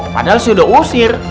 padahal sudah usir